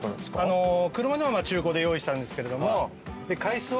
車の方は中古で用意したんですけれども。